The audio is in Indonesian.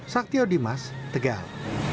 saktio dimas tegal